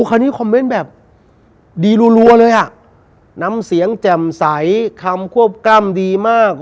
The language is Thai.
คราวนี้คอมเมนต์แบบดีรัวเลยอ่ะน้ำเสียงแจ่มใสคำควบกล้ามดีมาก